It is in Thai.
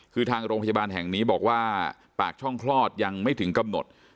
คือทางโรงพยาบาลแห่งนี้บอกว่าปากช่องคลอดยังไม่ถึงกำหนด